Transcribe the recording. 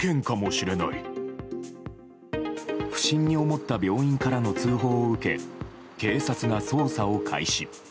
不審に思った病院からの通報を受け警察が捜査を開始。